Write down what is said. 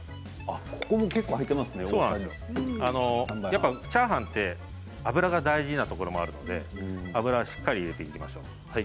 やっぱチャーハンって油が大事なところもあるので油はしっかり入れていきましょう。